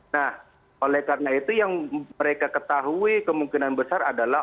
nah oleh karena itu yang mereka ketahui kemungkinan besar adalah